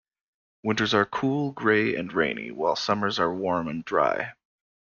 Winters are cool, gray and rainy, while summers are warm and dry.